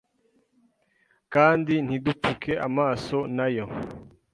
kandi ntidupfuke amaso nayo